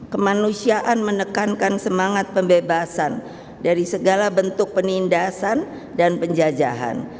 kemanusiaan menekankan semangat pembebasan dari segala bentuk penindasan dan penjajahan